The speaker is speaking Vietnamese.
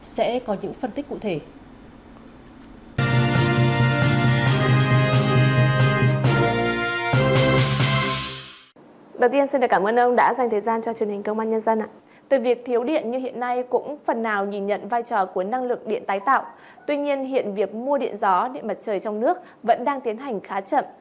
sẽ có những phân tích cụ thể